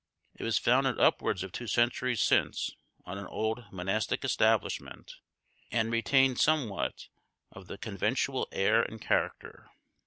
It was founded upwards of two centuries since on an old monastic establishment, and retained somewhat of the conventual air and character.